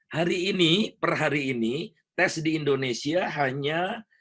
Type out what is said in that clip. hari ini per hari ini tes di indonesia hanya tiga satu ratus delapan puluh enam